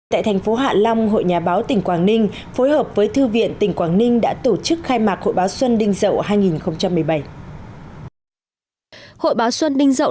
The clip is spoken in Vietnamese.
tại thành phố hạ long hội nhà báo tỉnh quảng ninh phối hợp với thư viện tỉnh quảng ninh đã tổ chức khai mạc hội báo xuân đinh dậu hai nghìn một mươi bảy